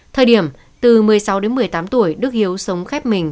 thời điểm từ một mươi sáu đến một mươi tám tuổi đức hiếu sống khép mình